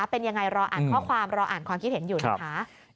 เป็นยังไงรออ่านข้อความรออ่านความคิดเห็นอยู่นะคะ